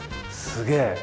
すげえ。